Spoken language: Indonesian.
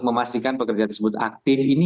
memastikan pekerja tersebut aktif ini